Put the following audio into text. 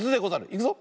いくぞ。